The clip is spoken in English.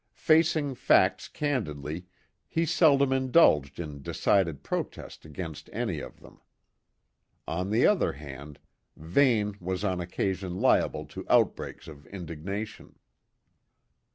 Facing facts candidly, he seldom indulged in decided protest against any of them. On the other hand, Vane was on occasion liable to outbreaks of indignation.